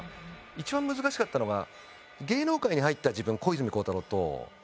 一番難しかったのが。